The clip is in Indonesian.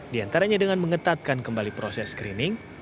diantaranya dengan mengetatkan kembali proses screening